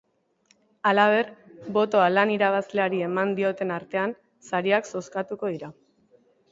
Halaber, botoa lan irabazleari eman dioten artean sariak zozkatuko dira.